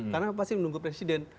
karena pasti menunggu presiden